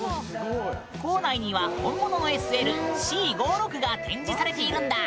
校内には本物のＳＬＣ５６が展示されているんだ！